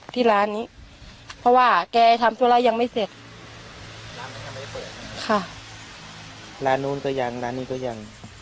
ที่ร้านนี้เพราะว่าแกทำตัวละยังไม่เสร็จค่ะร้านโน้นก็ยังร้านนี้ก็ยัง